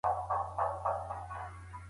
ښوونکي د زده کوونکو د خبرو کولو مهارت ډیروي.